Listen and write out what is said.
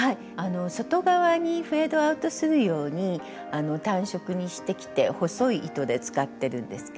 外側にフェードアウトするように淡色にしてきて細い糸で使ってるんですけれども。